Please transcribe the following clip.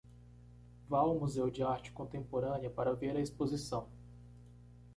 Vá ao Museu de Arte Contemporânea para ver a exposição